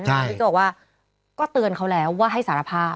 พี่ก็บอกว่าก็เตือนเขาแล้วว่าให้สารภาพ